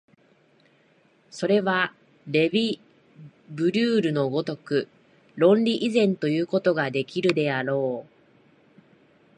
それはレヴィ・ブリュールの如く論理以前ということができるであろう。